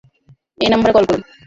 এই নাম্বারে কল করুন।